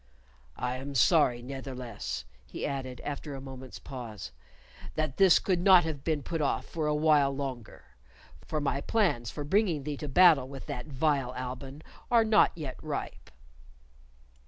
I am sorry, ne'theless," he added, after a moment's pause, "that this could not have been put off for a while longer, for my plans for bringing thee to battle with that vile Alban are not yet ripe.